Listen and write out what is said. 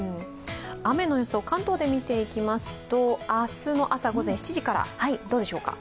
雨の予想、関東で見ていきますと明日の朝午前７時から、どうでしょうか？